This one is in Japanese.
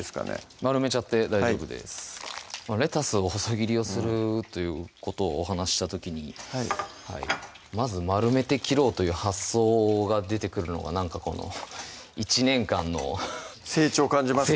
レタスを細切りをするということをお話しした時にまず丸めて切ろうという発想が出てくるのがなんかこの１年間の成長を感じますか？